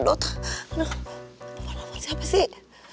telepon telepon siapa sih